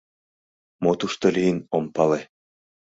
Мо тушто лийын, ом пале.